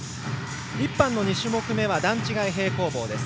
１班の２種目めは段違い平行棒です。